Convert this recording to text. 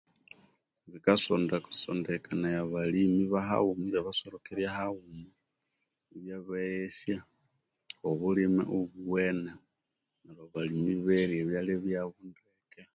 Bikasondekania abalimi ibabasorokerya haima ibyabeghesya okwabulimi neryo iberya ndeke